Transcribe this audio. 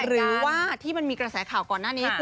หรือว่ามีกระแสข่าก่อนหน้านี้